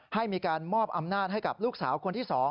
ให้มีการมอบอำนาจให้กับลูกสาวคนที่๒